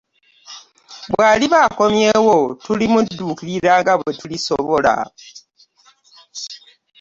Bw'aliba akomyewo tulimudduukirira nga bwe tulisobola.